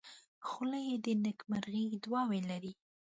خولۍ د نیکمرغۍ دعاوې لري.